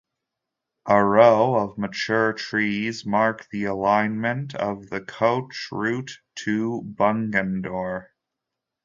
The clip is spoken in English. A row of mature trees mark the alignment of the coach route to Bungendore.